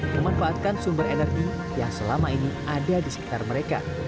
memanfaatkan sumber energi yang selama ini ada di sekitar mereka